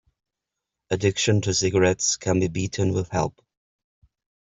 Addiction to cigarettes can be beaten with help.